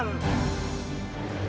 kak texts kakas